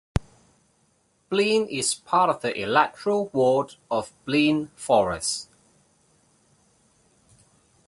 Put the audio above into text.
Blean is part of the electoral ward of Blean Forest.